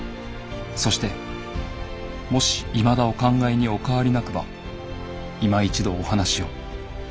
そしてもしいまだお考えにお変わりなくばいま一度お話を」。